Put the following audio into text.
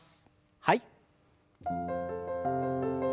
はい。